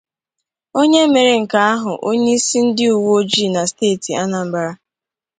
onye mere nke ahụ onyeisi ndị uwe ojii na steeti Anambra